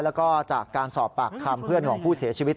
แล้วก็จากการสอบปากคำเพื่อนของผู้เสียชีวิต